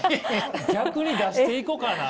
「逆に出していこかな」。